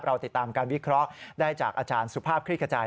ติดตามการวิเคราะห์ได้จากอาจารย์สุภาพคลิกกระจาย